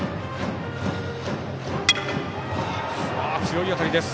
強い当たりです。